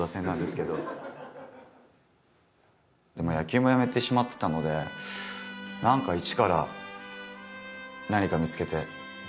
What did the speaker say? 野球もやめてしまってたので何か一から何か見つけて。